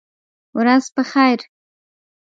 ورځ په خیر !